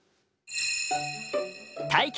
体験！